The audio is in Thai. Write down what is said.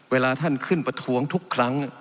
เวลาท่านขึ้นประท้วงทุกครั้ง